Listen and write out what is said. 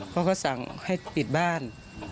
เขาก็สั่งให้ปิดบ้าน